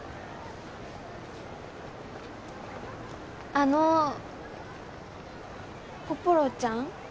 あのぽぽろちゃん？